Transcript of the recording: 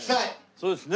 そうですね。